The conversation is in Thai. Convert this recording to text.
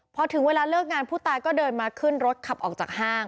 พอถึงเวลาเลิกงานผู้ตายก็เดินมาขึ้นรถขับออกจากห้าง